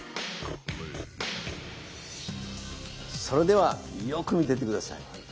それではよく見ていて下さい。